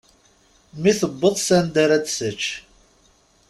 Mi tewweḍ s anda ra d-tečč.